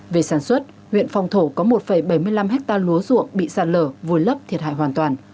về sản xuất huyện phong thổ có một bảy mươi năm hectare lúa ruộng bị sạt lở vùi lấp thiệt hại hoàn toàn